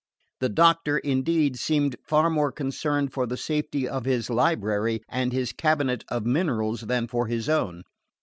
The doctor, indeed, seemed far more concerned for the safety of his library and his cabinet of minerals than for his own.